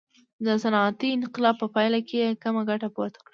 د صنعتي انقلاب په پایله کې یې کمه ګټه پورته کړه.